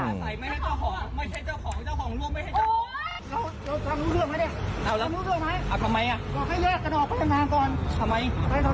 ใส่ไม่ให้เจ้าของไม่ใช่เจ้าของเจ้าของร่วมไม่ให้เจ้าของ